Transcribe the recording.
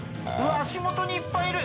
足元にいっぱいいる。